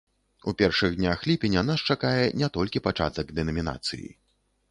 У першых днях ліпеня нас чакае не толькі пачатак дэнамінацыі.